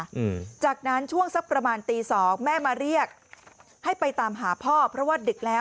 อืมจากนั้นช่วงสักประมาณตีสองแม่มาเรียกให้ไปตามหาพ่อเพราะว่าดึกแล้ว